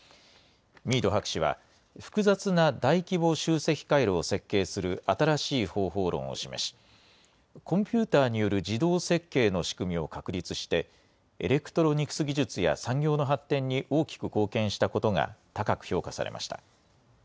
ミード博士は、複雑な大規模集積回路を設計する新しい方法論を示し、コンピューターによる自動設計の仕組みを確立して、エレクトロニクス技術や産業の発展に大きく貢献したことが、高く評価されました。